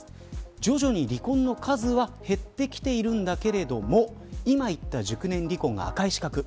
徐々に離婚の数は減ってきているんだけれども今言った熟年離婚が赤い四角。